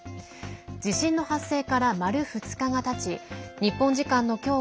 地震の発生から丸２日がたち日本時間の今日